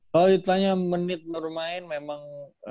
kalau ditanya menit bermain memang